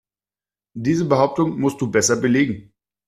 Diese Behauptung musst du besser belegen.